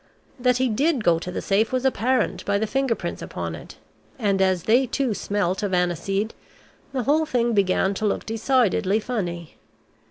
That he did go to the safe was apparent by the finger prints upon it, and as they too smelt of aniseed, the whole thing began to look decidedly funny.